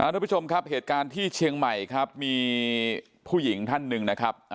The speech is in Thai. ทุกผู้ชมครับเหตุการณ์ที่เชียงใหม่ครับมีผู้หญิงท่านหนึ่งนะครับ